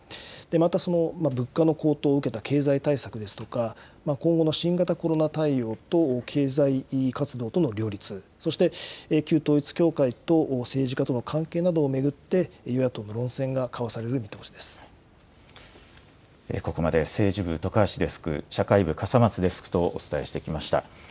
また物価の高騰を受けた経済対策ですとか、今後の新型コロナ対応と、経済活動との両立、そして旧統一教会と政治家との関係などを巡って、与野党の論戦がここまで政治部、徳橋デスク、社会部、笠松デスクとお伝えしてきました。